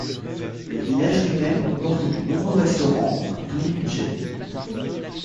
Le village lui-même comporte de nombreux restaurants pour tous les budgets.